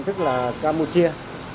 tức là camuchia